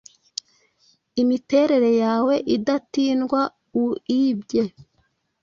Imiterere yawe idatindwa uibye,